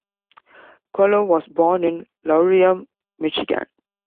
Quello was born in Laurium, Michigan.